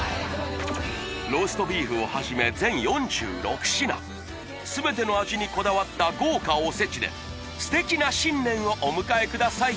ローストビーフをはじめ全４６品全ての味にこだわった豪華おせちで素敵な新年をお迎えください